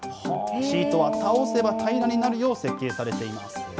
シートは倒せば平らになるよう設計されています。